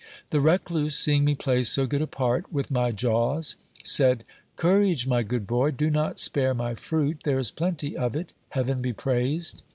The recluse, seeing me play so good a part with my jaws, said : Courage, my good boy, do not spare my fruit ; there is plenty of it Heaven be praised.